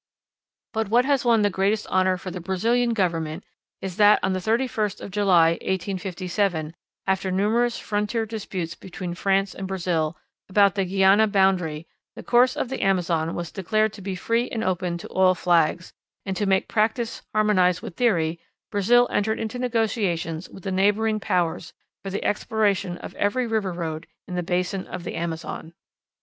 But what has won the greatest honor for the Brazilian government is that on the 31st of July, 1857, after numerous frontier disputes between France and Brazil, about the Guiana boundary, the course of the Amazon was declared to be free and open to all flags; and, to make practice harmonize with theory, Brazil entered into negotiations with the neighboring powers for the exploration of every river road in the basin of the Amazon.